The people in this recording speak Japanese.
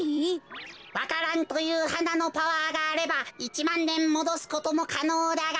わか蘭というはなのパワーがあれば１まんねんもどすこともかのうだが。